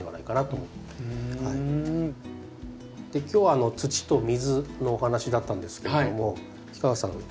今日は土と水のお話だったんですけれども氷川さん